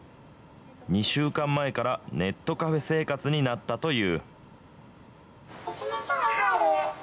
２週間前からネットカフェ生活になったという。